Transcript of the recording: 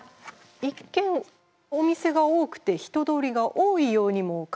一見お店が多くて人通りが多いようにも感じますが。